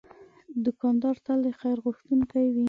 دوکاندار تل د خیر غوښتونکی وي.